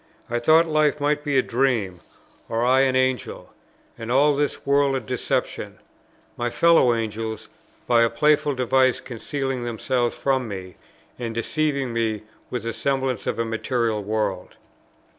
I thought life might be a dream, or I an Angel, and all this world a deception, my fellow angels by a playful device concealing themselves from me, and deceiving me with the semblance of a material world."